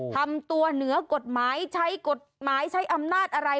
ทำตัวเหนือกฎหมายใช้กฎหมายใช้อำนาจอะไร